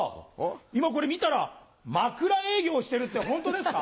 今これ見たら枕営業してるってホントですか？